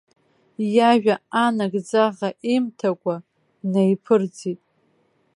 Иажәа анагӡаха имҭакәа днаиԥырҵит.